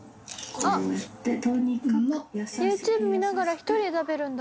ＹｏｕＴｕｂｅ見ながら１人で食べるんだ。